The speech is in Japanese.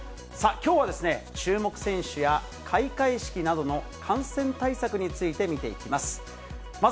きょうは注目選手や、開会式などの感染対策について見ていきます。